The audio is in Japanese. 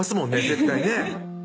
絶対ね